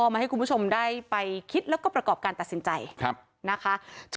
มาให้คุณผู้ชมได้ไปคิดแล้วก็ประกอบการตัดสินใจนะคะ